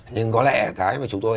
nhưng có lẽ cái mà chúng tôi đã nói